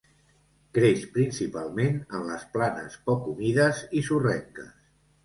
Creix principalment en les planes poc humides i sorrenques.